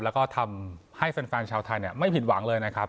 แล้วก็ทำให้แฟนชาวไทยไม่ผิดหวังเลยนะครับ